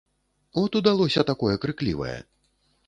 От удалося такое крыклівае.